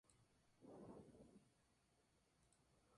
Un grupo en sí mismo no necesariamente constituye un equipo.